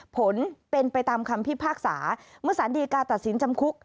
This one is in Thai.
ผลเป็นไปตามคำพิพากษาเมื่อสารดีกาตัดสินจำคุก